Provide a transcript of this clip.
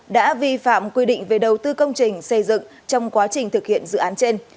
đã vi phạm quy định về đầu tư công trình xây dựng trong quá trình thực hiện dự án trên